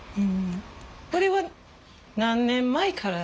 これは何年前から？